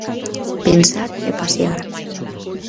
Pensar e pasear.